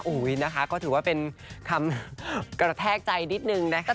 นะคะก็ถือว่าเป็นคำกระแทกใจนิดนึงนะคะ